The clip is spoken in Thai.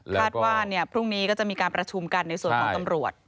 ว่าพรุ่งนี้ก็จะมีการประชุมกันในส่วนของตำรวจ